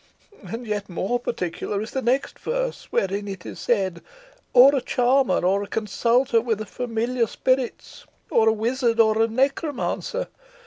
And yet more particular is the next verse, wherein it is said; 'Or a charmer, or a consulter with familiar spirits, or a wizard, or a necromancer.'